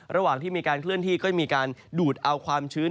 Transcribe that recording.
ระหว่างที่มีการเคลื่อนที่ก็จะมีการดูดเอาความชื้น